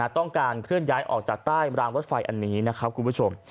ต้องการเคลื่อนย้ายออกจากใต้รางรถไฟอันนี้นะครับคุณผู้ชม